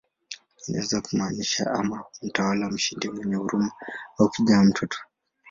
Inaweza kumaanisha ama "mtawala mshindi mwenye huruma" au "kijana, mtoto".